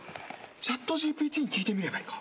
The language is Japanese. ＣｈａｔＧＰＴに聞いてみればいいか。